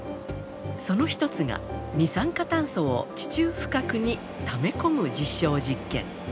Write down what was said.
その一つが二酸化炭素を地中深くにため込む実証実験。